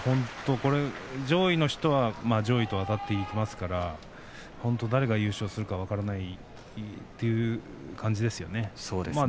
上位の人が上位とあたっていきますから誰が優勝するか分からないという感じですよね。